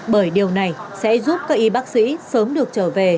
bởi điều này sẽ giúp các y bác sĩ sớm được trở về